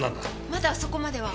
まだそこまでは。